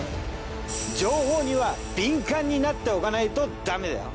情報には敏感になっておかないとダメだよ。